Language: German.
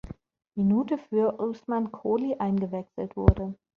Minute für Ousman Koli eingewechselt wurde.